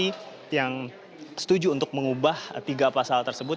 ada dua fraksi yang setuju untuk mengubah tiga pasal tersebut